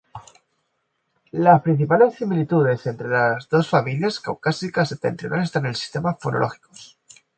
Las principales similitudes entre los dos familias caucásicas septentrionales están en los sistemas fonológicos.